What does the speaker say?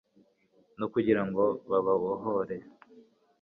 no kugira ngo bababohore